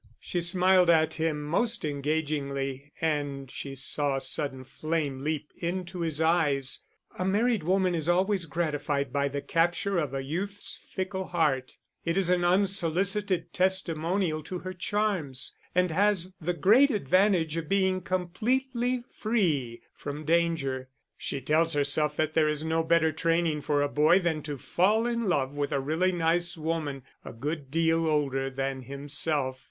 She smiled at him most engagingly and she saw a sudden flame leap into his eyes. A married woman is always gratified by the capture of a youth's fickle heart: it is an unsolicited testimonial to her charms, and has the great advantage of being completely free from danger. She tells herself that there is no better training for a boy than to fall in love with a really nice woman a good deal older than himself.